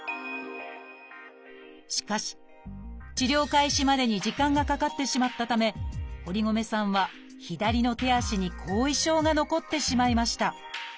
しかし治療開始までに時間がかかってしまったため堀米さんは左の手足に後遺症が残ってしまいました。